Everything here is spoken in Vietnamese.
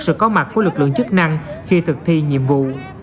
sự có mặt của lực lượng chức năng khi thực thi nhiệm vụ